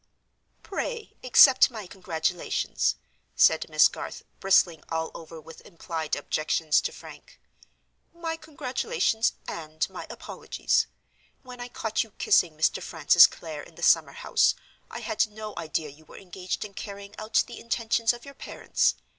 "Pray accept my congratulations," said Miss Garth, bristling all over with implied objections to Frank—"my congratulations, and my apologies. When I caught you kissing Mr. Francis Clare in the summer house, I had no idea you were engaged in carrying out the intentions of your parents.